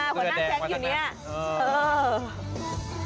หัวหน้าแก๊งอยู่เนี่ย